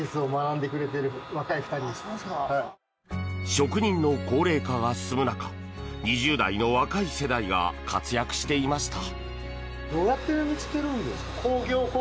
職人の高齢化が進む中２０代の若い世代が活躍していました。